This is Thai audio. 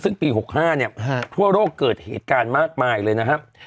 ซึ่งปี๖๕เนี่ยทั่วโลกเกิดเหตุการณ์มากมายเลยนะครับ